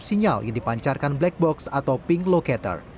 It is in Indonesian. sinyal yang dipancarkan black box atau pink locator